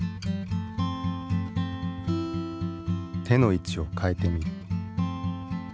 手の位置を変えてみる。